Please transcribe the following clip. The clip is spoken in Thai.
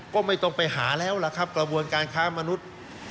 ก็ไม่ต้องไปหาแล้วล่ะครับกระบวนการค้ามนุษย์